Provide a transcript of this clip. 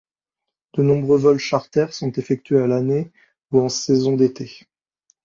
De nombreux vols charter sont effectués à l'année ou en saison d'été.